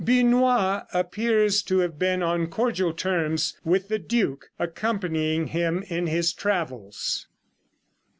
Busnois appears to have been on cordial terms with the duke, accompanying him in his travels.